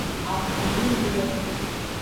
Akpanyime yo.